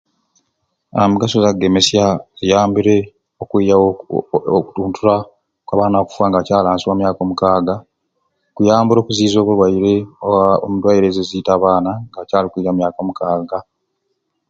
Ebyanyegesya biyambire ekka yange uhhhm omugaso gwa kugemesya kiyambire okwiyawo okutuntula kwa baana okufa nga bakyali ansi wa myaka mukaaga kuyambire okuziiza boulware haaa omu ndwaire ezita abaana nga bakyali kwica myaka mukaaga